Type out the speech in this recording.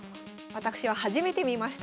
私は初めて見ました。